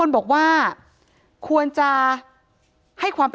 ถ้าใครอยากรู้ว่าลุงพลมีโปรแกรมทำอะไรที่ไหนยังไง